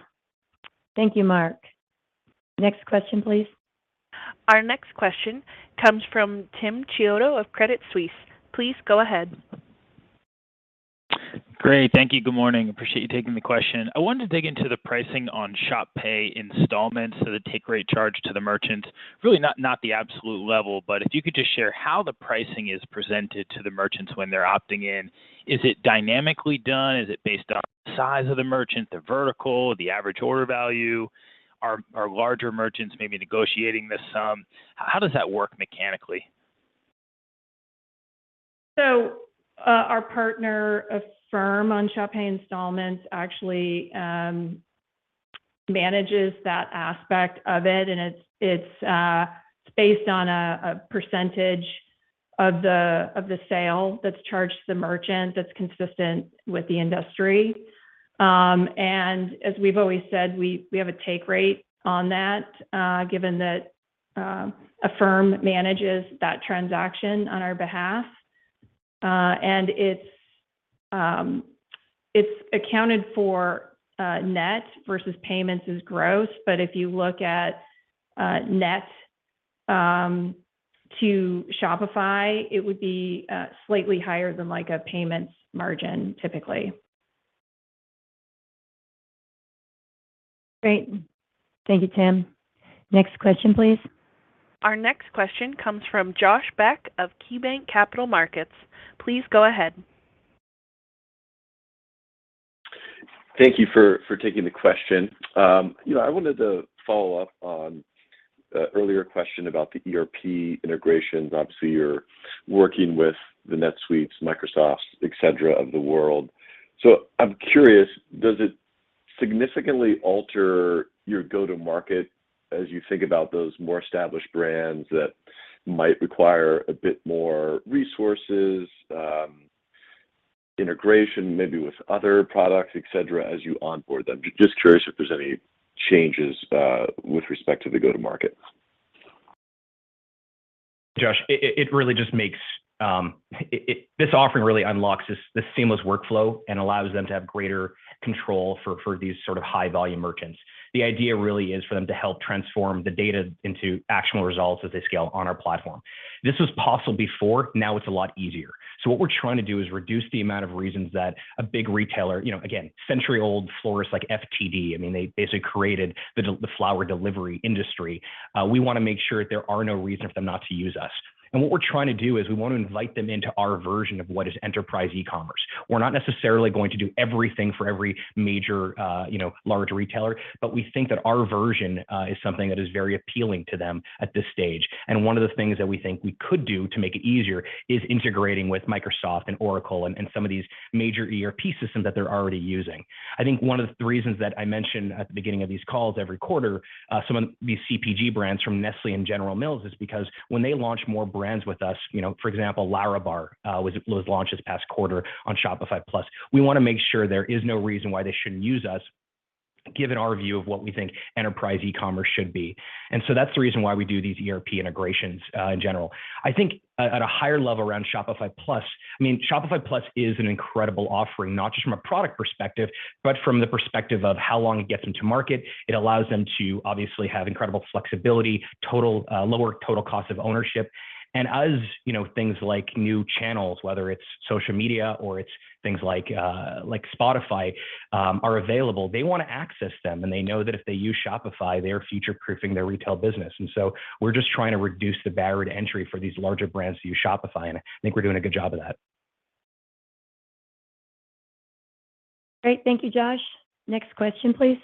Thank you, Mark. Next question, please. Our next question comes from Tim Chiodo of Credit Suisse. Please go ahead. Great. Thank you. Good morning. Appreciate you taking the question. I wanted to dig into the pricing on Shop Pay Installments, so the take rate charge to the merchant. Really not the absolute level, but if you could just share how the pricing is presented to the merchants when they're opting in. Is it dynamically done? Is it based on size of the merchant, the vertical, the average order value? Are larger merchants maybe negotiating this sum? How does that work mechanically? Our partner, Affirm, on Shop Pay Installments actually manages that aspect of it, and it's based on a percentage of the sale that's charged to the merchant that's consistent with the industry. As we've always said, we have a take rate on that, given that Affirm manages that transaction on our behalf. It's accounted for net, versus payments, is gross. If you look at net to Shopify, it would be slightly higher than like a payments margin, typically. Great. Thank you, Tim. Next question, please. Our next question comes from Josh Beck of KeyBanc Capital Markets. Please go ahead. Thank you for taking the question. You know, I wanted to follow up on an earlier question about the ERP integrations. Obviously, you're working with the NetSuite, Microsoft, et cetera, of the world. I'm curious, does it significantly alter your go-to-market as you think about those more established brands that might require a bit more resources, integration maybe with other products, et cetera, as you onboard them? Just curious if there's any changes with respect to the go-to-market. Josh, it really just makes this offering really unlock this seamless workflow and allows them to have greater control for these sort of high volume merchants. The idea really is for them to help transform the data into actionable results as they scale on our platform. This was possible before. Now it's a lot easier. What we're trying to do is reduce the amount of reasons that a big retailer, you know, again, century-old florist like FTD, I mean, they basically created the flower delivery industry. We wanna make sure there are no reason for them not to use us. What we're trying to do is we want to invite them into our version of what is enterprise e-commerce. We're not necessarily going to do everything for every major, you know, large retailer, but we think that our version is something that is very appealing to them at this stage. One of the things that we think we could do to make it easier is integrating with Microsoft and Oracle and some of these major ERP systems that they're already using. I think one of the reasons that I mention at the beginning of these calls every quarter, some of these CPG brands from Nestlé and General Mills is because when they launch more brands with us, you know, for example, LÄRABAR was launched this past quarter on Shopify Plus, we wanna make sure there is no reason why they shouldn't use us given our view of what we think enterprise e-commerce should be. That's the reason why we do these ERP integrations in general. I think at a higher level around Shopify Plus, I mean, Shopify Plus is an incredible offering, not just from a product perspective, but from the perspective of how long it gets them to market. It allows them to obviously have incredible flexibility, total lower total cost of ownership. As you know, things like new channels, whether it's social media or it's things like like Spotify, are available, they wanna access them, and they know that if they use Shopify, they are future-proofing their retail business. We're just trying to reduce the barrier to entry for these larger brands to use Shopify, and I think we're doing a good job of that. Great. Thank you, Josh. Next question, please.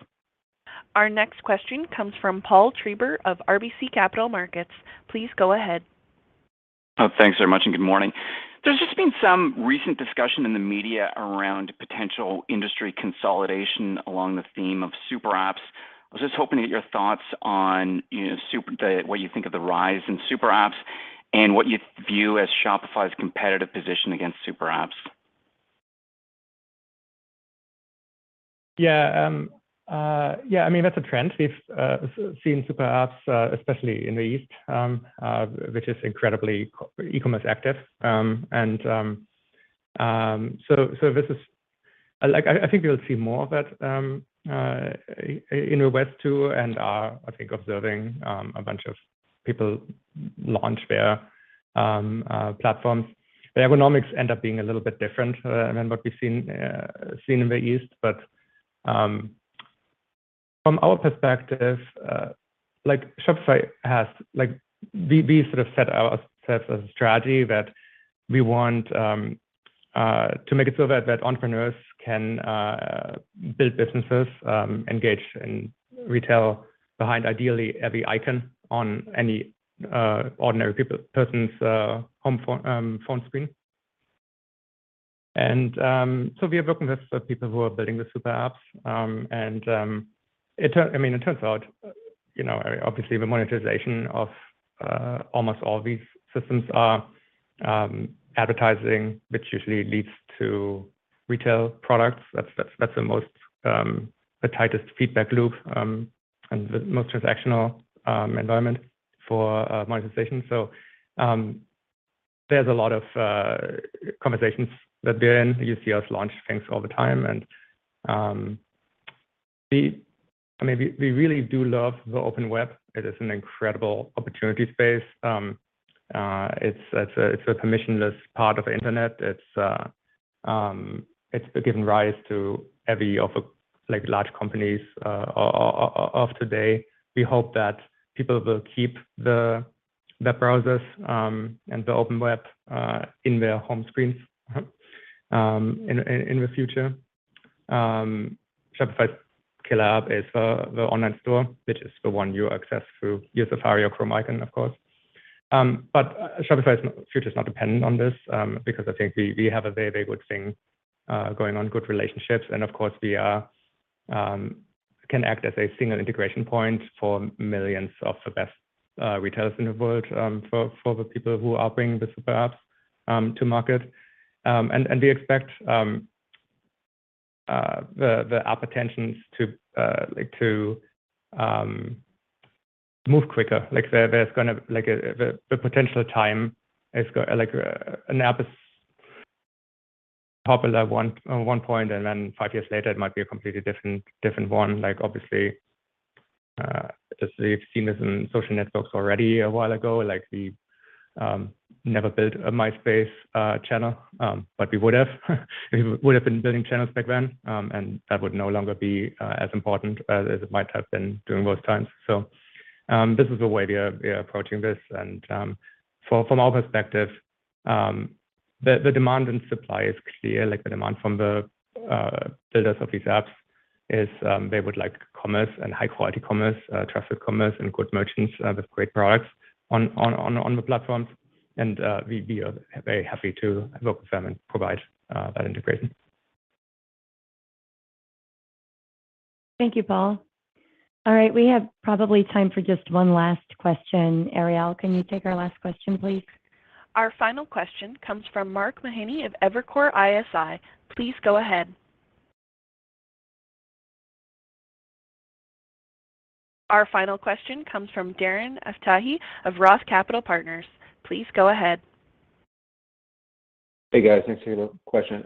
Our next question comes from Paul Treiber of RBC Capital Markets. Please go ahead. Oh, thanks very much, and good morning. There's just been some recent discussion in the media around potential industry consolidation along the theme of super apps. I was just hoping to get your thoughts on, you know, what you think of the rise in super apps and what you view as Shopify's competitive position against super apps? Yeah, I mean, that's a trend. We've seen super apps, especially in the East, which is incredibly e-commerce active. This is like, I think we'll see more of that in the West, too, and I think we're observing a bunch of people launch their platforms. The economics end up being a little bit different than what we've seen in the East. From our perspective, like Shopify has, like we sort of set ourselves a strategy that we want, To make it so that entrepreneurs can build businesses, engage in retail behind ideally every icon on any ordinary person's home phone screen. We are working with the people who are building the super apps. I mean, it turns out, you know, obviously the monetization of almost all these systems are advertising, which usually leads to retail products. That's the most the tightest feedback loop, and the most transactional environment for monetization. There's a lot of conversations that they're in. You see us launch things all the time and I mean, we really do love the open web. It is an incredible opportunity space. It's a permissionless part of internet. It's given rise to every one of the large companies of today. We hope that people will keep the browsers and the open web in their home screens in the future. Shopify's killer app is the online store, which is the one you access through your Safari or Chrome icon, of course. Shopify's future is not dependent on this because I think we have a very good thing going on, good relationships. Of course, we can act as a single integration point for millions of the best retailers in the world for the people who are bringing the super apps to market. We expect the app integrations to move quicker. Like, an app is popular at one point, and then five years later it might be a completely different one. Like, obviously, as we've seen this in social networks already a while ago, like we never built a MySpace channel, but we would've been building channels back then. That would no longer be as important as it might have been during those times. This is the way we are approaching this. From our perspective, the demand and supply is clear, like the demand from the builders of these apps is they would like commerce and high-quality commerce, trusted commerce, and good merchants with great products on the platforms. We are very happy to work with them and provide that integration. Thank you, Paul. All right. We have probably time for just one last question. Ariel, can you take our last question, please? Our final question comes from Mark Mahaney of Evercore ISI. Please go ahead. Our final question comes from Darren Aftahi of ROTH Capital Partners. Please go ahead. Hey, guys. Thanks for your question.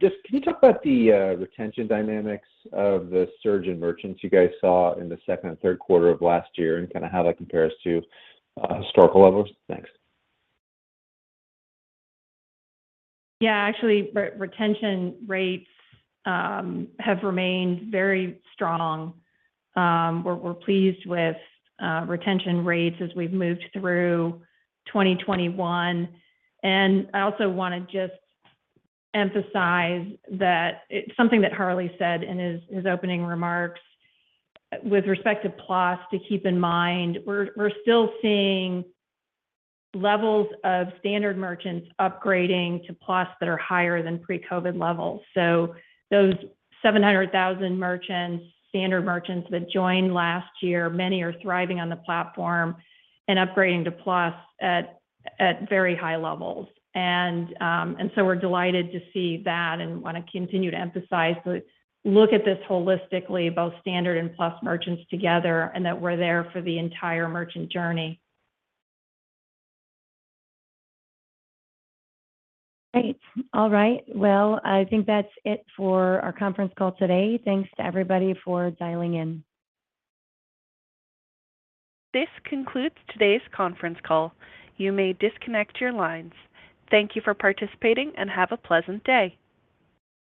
Just can you talk about the retention dynamics of the surge in merchant's you guys saw in the second and third quarter of last year and kinda how that compares to historical levels? Thanks. Yeah. Actually, retention rates have remained very strong. We're pleased with retention rates as we've moved through 2021. I also wanna just emphasize that it's something that Harley said in his opening remarks with respect to Plus to keep in mind. We're still seeing levels of standard merchants upgrading to Plus that are higher than pre-COVID levels. Those 700,000 merchants, standard merchants that joined last year, many are thriving on the platform and upgrading to Plus at very high levels. We're delighted to see that and wanna continue to emphasize to look at this holistically, both standard and Plus merchants together, and that we're there for the entire merchant journey. Great. All right. Well, I think that's it for our conference call today. Thanks to everybody for dialing in. This concludes today's conference call. You may disconnect your lines. Thank you for participating and have a pleasant day.